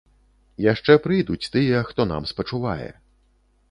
Яшчэ прыйдуць тыя, хто нам спачувае.